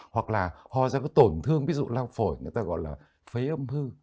hoặc là ho ra có tổn thương ví dụ lau phổi người ta gọi là phế âm hư